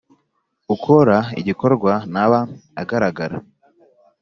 ukora igikorwa ntaba agaragara